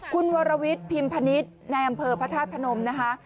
คุณวรวิทย์พิมพนิษฐ์ในอำเภอพระธาตุพนมนะคะ